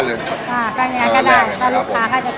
อ่าแรกครับครับผม